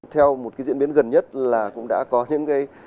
theo một cái diễn biến gần nhất là cũng đã có những cái